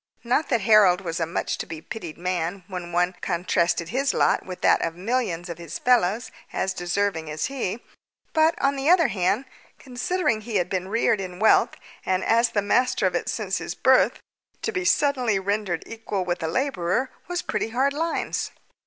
Not that Harold was a much to be pitied man when one contrasted his lot with that of millions of his fellows as deserving as he; but, on the other hand, considering he had been reared in wealth and as the master of it since his birth, to be suddenly rendered equal with a labourer was pretty hard lines.